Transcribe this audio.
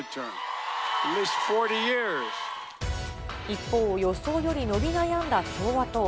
一方、予想より伸び悩んだ共和党。